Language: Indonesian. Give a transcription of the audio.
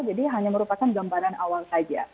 jadi hanya merupakan gambaran awal saja